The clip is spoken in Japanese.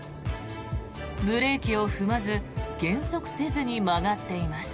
ブレーキを踏まず減速せずに曲がっています。